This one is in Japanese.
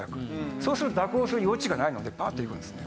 そうすると蛇行する余地がないのでバーッといくんですね。